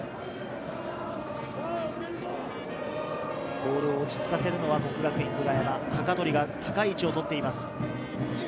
ボールを落ち着かせるのは國學院久我山、鷹取が高い位置をとっています。